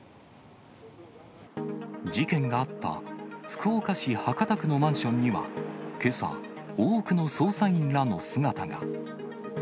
事件があった福岡市博多区のマンションにはけさ、多くの捜査員らの姿が。